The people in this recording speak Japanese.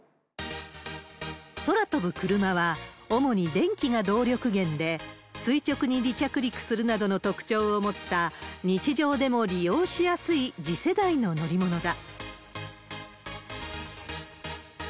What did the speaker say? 空飛ぶクルマは主に電気が動力源で、垂直に離着陸するなどの特徴を持った、日常でも利用しやすい、次世代の乗り物だ。